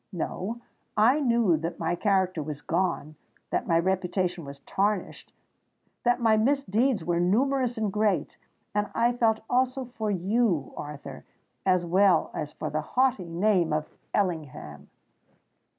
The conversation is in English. No: I knew that my character was gone—that my reputation was tarnished—that my misdeeds were numerous and great;—and I felt also for you, Arthur—as well as for the haughty name of Ellingham!"